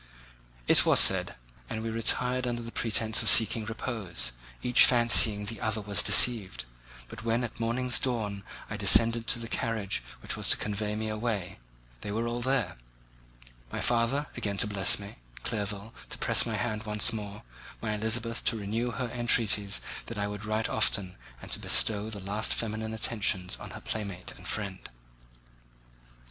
It was said, and we retired under the pretence of seeking repose, each fancying that the other was deceived; but when at morning's dawn I descended to the carriage which was to convey me away, they were all there—my father again to bless me, Clerval to press my hand once more, my Elizabeth to renew her entreaties that I would write often and to bestow the last feminine attentions on her playmate and friend.